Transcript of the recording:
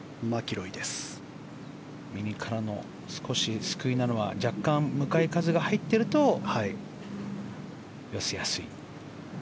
右からの、少し救いなのは若干、向かい風が入っていると寄せやすいかな。